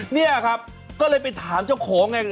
นี่ครับก็เลยไปถามเจ้าของไง